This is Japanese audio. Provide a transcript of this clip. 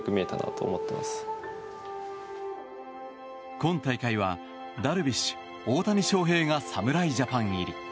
今大会は、ダルビッシュ大谷翔平が侍ジャパン入り。